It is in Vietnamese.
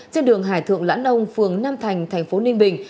trên đường hải thượng lãn âu phường nam thành tp ninh bình